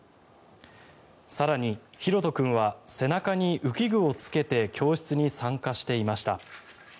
更に拓杜君は背中に浮き具をつけて教室に参加していました。